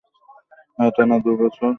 হ্যাঁ টানা দুবছর জুনিয়র টিমের সাথে খেলেছি।